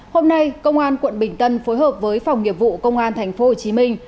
hôm nay công an quận bình tân phối hợp với phòng nghiệp vụ công an tp hcm